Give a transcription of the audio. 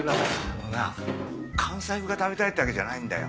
あのな関西風が食べたいってわけじゃないんだよ。